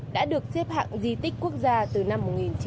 đã được xếp hạng di tích quốc gia từ năm một nghìn chín trăm tám mươi tám